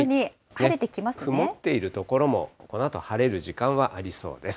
曇っている所も、このあと晴れる時間はありそうです。